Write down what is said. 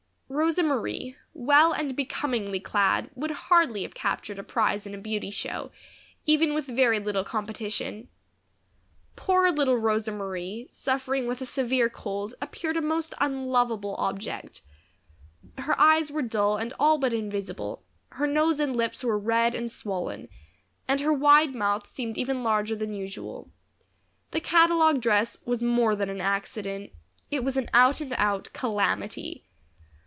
Rosa Marie, well and becomingly clad, would hardly have captured a prize in a beauty show, even with very little competition. Poor little Rosa Marie, suffering with a severe cold, appeared a most unlovable object. Her eyes were dull and all but invisible, her nose and lips were red and swollen and her wide mouth seemed even larger than usual. The catalogue dress was more than an accident; it was an out and out calamity.